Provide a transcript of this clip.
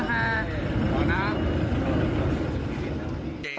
ขอบคุณค่ะ